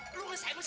tahu gitu loh